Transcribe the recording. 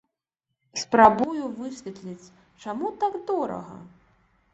Спрабую высветліць, чаму так дорага?